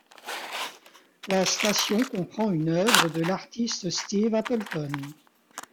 La station comprend une œuvre de l'artiste Steve Appleton.